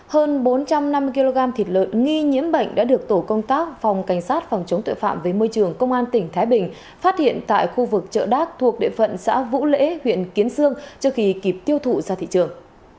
hơn bốn trăm năm mươi kg thịt lợn nghi nhiễm bệnh đã được tổ công tác phòng cảnh sát phòng chống tội phạm với môi trường công an tỉnh thái bình phát hiện tại khu vực chợ đác thuộc địa phận xã vũ lễ huyện kiến sương trước khi kịp tiêu thụ ra thị trường